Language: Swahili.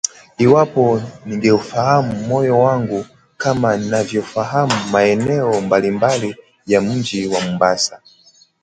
Iwapo ningeufahamu moyo wangu kama ninavyoyafahamu maeneo mbali mbali ya mji wa Mombasa